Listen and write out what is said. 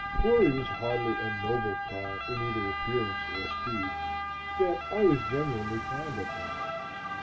Plury was hardly a noble car in either appearance or speed, yet I was genuinely fond of her.